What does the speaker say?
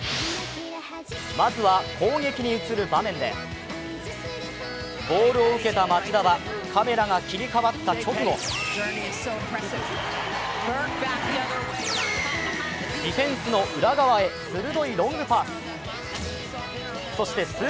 まずは攻撃に移る場面で、ボールを受けた町田は、カメラが切り替わった直後ディフェンスの裏側へ鋭いロングパス。